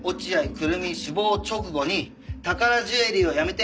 久瑠実死亡直後に宝ジュエリーを辞めて